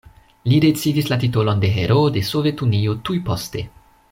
Li ricevis la titolon de Heroo de Sovetunio tuj poste.